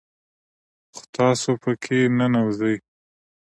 خو تاسو په كي ننوځئ